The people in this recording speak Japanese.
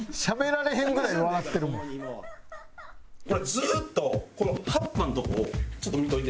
ずっとこの葉っぱのとこをちょっと見ておいて。